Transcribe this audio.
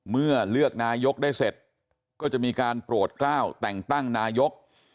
เมื่อเลือกนายกได้เสร็จก็จะมีการโปรดกล้าวแต่งตั้งนายก